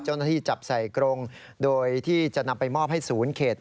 เจ้าหน้าที่จับใส่กรงโดยที่จะนำไปมอบให้ศูนย์เขต